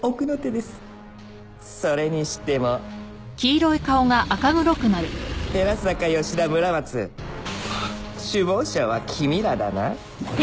それにしても寺坂吉田村松首謀者は君らだな？